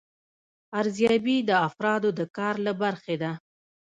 ارزیابي د افرادو د کار له برخې ده.